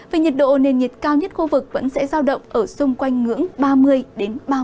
về nhiệt độ nền nhiệt cao nhất khu vực vẫn sẽ giao động ở xung quanh ngưỡng ba mươi ba mươi ba độ